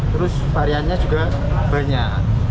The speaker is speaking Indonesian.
terus variannya juga banyak